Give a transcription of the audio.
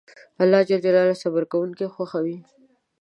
الله جل جلاله صبر کونکي خوښوي